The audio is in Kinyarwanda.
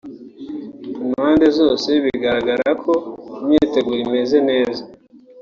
Impande zose bigaragara ko imyiteguro imeze neza